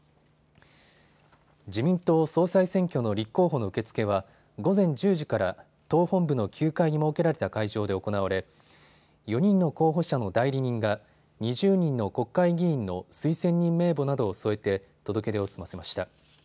自民党総裁選挙の立候補の受け付けは午前１０時から党本部の９階に設けられた会場で行われ４人の候補者の代理人が２０人の国会議員の推薦人名簿などを添えて届け出を済ませました。